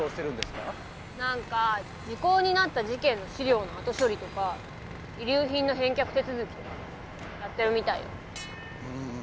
なんか時効になった事件の資料の後処理とか遺留品の返却手続きとかやってるみたいよ。